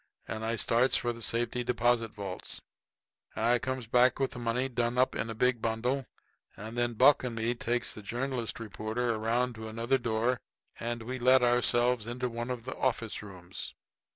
And I starts for the safe deposit vaults. I comes back with the money done up in a big bundle, and then Buck and me takes the journalist reporter around to another door and we let ourselves into one of the office rooms.